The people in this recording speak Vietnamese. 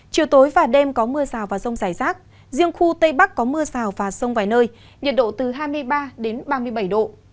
chiều tối và đêm có mưa rào và rông rải rác riêng khu tây bắc có mưa rào và sông vài nơi nhiệt độ từ hai mươi ba đến ba mươi bảy độ